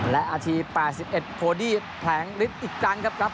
และอาที๘๑โพดี้แผงลิฟต์อีกกันครับครับ